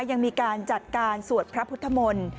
ยังมีการจัดการสวดพระพุทธมนตร์